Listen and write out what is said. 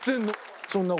そんな事。